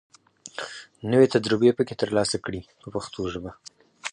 نوې تجربې پکې تر لاسه کړي په پښتو ژبه.